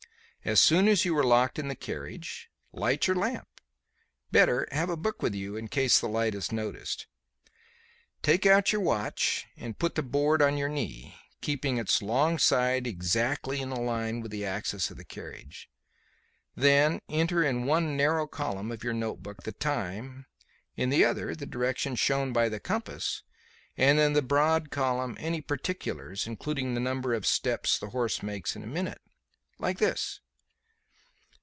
As soon as you are locked in the carriage, light your lamp better have a book with you in case the light is noticed take out your watch and put the board on your knee, keeping its long side exactly in a line with the axis of the carriage. Then enter in one narrow column of your notebook the time, in the other the direction shown by the compass, and in the broad column any particulars, including the number of steps the horse makes in a minute. Like this."